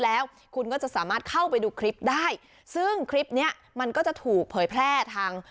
แล้วคุณก็จะสามารถเข้าไปดูคลิปได้ซึ่งคลิปเนี้ยมันก็จะถูกเผยแพร่ทาง